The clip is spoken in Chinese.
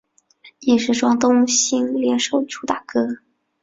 亦是庄冬昕联手主打歌。